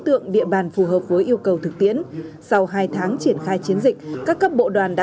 tượng địa bàn phù hợp với yêu cầu thực tiễn sau hai tháng triển khai chiến dịch các cấp bộ đoàn đã